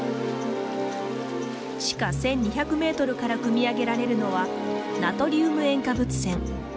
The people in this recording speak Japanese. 地下１，２００メートルからくみ上げられるのはナトリウム塩化物泉。